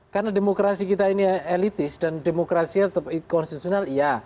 karena demokrasi kita ini elitis dan demokrasi konstitusional iya